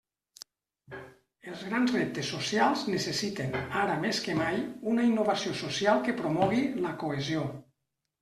Els grans reptes socials necessiten, ara més que mai, una innovació social que promogui la cohesió.